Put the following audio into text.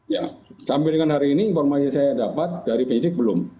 ya sampai dengan hari ini informasi yang saya dapat dari penyidik belum